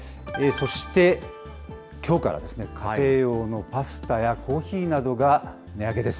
そして、きょうから、家庭用のパスタやコーヒーなどが値上げです。